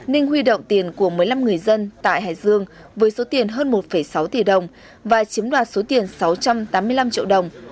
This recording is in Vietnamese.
ninh huy động tiền của một mươi năm người dân tại hải dương với số tiền hơn một sáu tỷ đồng và chiếm đoạt số tiền sáu trăm tám mươi năm triệu đồng